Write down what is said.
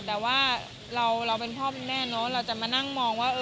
ประจำค่ะแต่ว่าเราเป็นพ่อแม่เราจะมานั่งมองว่า